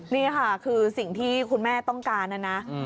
นี่ค่ะคือสิ่งที่คุณแม่ต้องการนะนะ